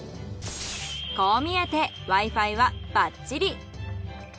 こう見えてＷｉ−Ｆｉはバッチリ。